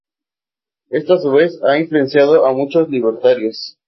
Estos a su vez han influenciado a muchos libertarios.